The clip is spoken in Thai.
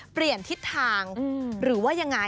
เปลี่ยนทิศทางหรือว่ายังไง